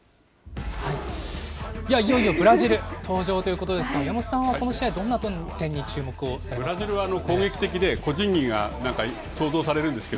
いや、いよいよブラジル登場ということですが、山本さんはこの試合、どんな点に注目をされますか。